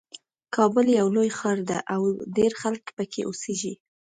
کابل یو لوی ښار ده او ډېر خلک پکې اوسیږي